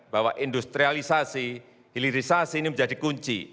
bahwa industrialisasi hilirisasi ini menjadi kunci